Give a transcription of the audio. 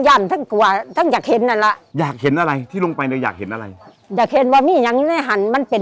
เป็นเป็นเป็นเป็นเป็นเป็นเป็นเป็นเป็นเป็นเป็นเป็นเป็น